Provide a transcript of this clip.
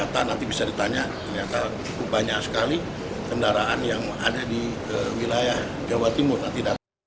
kendaraan kendaraan mewah ini akan diproses oleh kepolisian